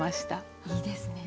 いいですね。